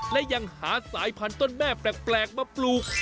และยังหาสายพันธุ์ต้นแม่แปลกมาปลูก